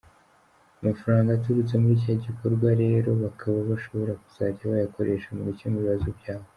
Amafaranga aturutse muri cya gikorwa rero bakaba bashobora kuzajya bayakoresha mu gukemura ibibazo byabo”.